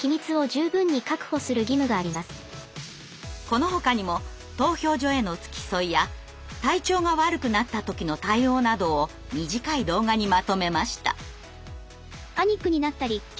このほかにも投票所への付き添いや体調が悪くなった時の対応などを短い動画にまとめました。